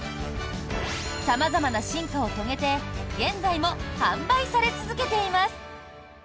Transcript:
様々な進化を遂げて現在も販売され続けています。